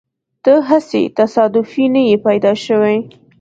ته هسې تصادفي نه يې پیدا شوی.